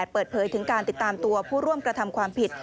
เปิดเผยถึงการติดตามตัวผู้ร่วมกระทำความผิด